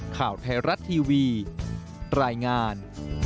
ข่าวไทยรัฐทีวีรายงาน